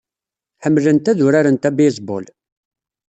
Ḥemmlent ad urarent abaseball.